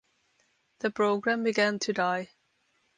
The program began to die.